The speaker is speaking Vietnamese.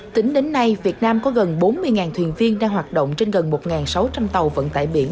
tính đến nay việt nam có gần bốn mươi thuyền viên đang hoạt động trên gần một sáu trăm linh tàu vận tải biển